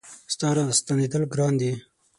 ستا را ستنېدل ګران دي